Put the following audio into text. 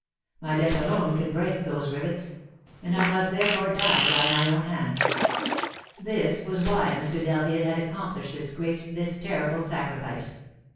My death alone can break those rivets; and I must, therefore, die by my own hand!" This was why M. d'Harville had accomplished this great, this terrible sacrifice.